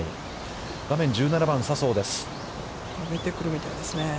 画面１７番、笹生です。